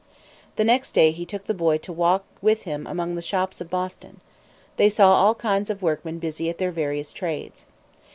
The next day he took the boy to walk with him among the shops of Boston. They saw all kinds of workmen busy at their various trades.